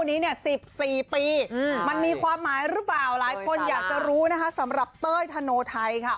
วันนี้เนี่ย๑๔ปีมันมีความหมายหรือเปล่าหลายคนอยากจะรู้นะคะสำหรับเต้ยธโนไทยค่ะ